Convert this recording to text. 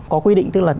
có quy định tức là